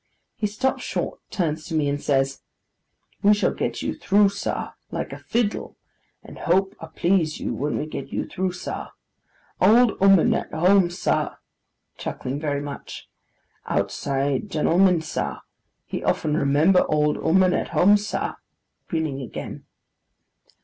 He stops short, turns to me, and says: 'We shall get you through sa, like a fiddle, and hope a please you when we get you through sa. Old 'ooman at home sa:' chuckling very much. 'Outside gentleman sa, he often remember old 'ooman at home sa,' grinning again.